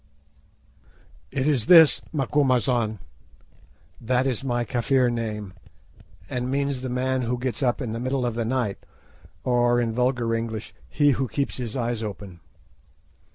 "It is this, 'Macumazahn.'" That is my Kafir name, and means the man who gets up in the middle of the night, or, in vulgar English, he who keeps his eyes open.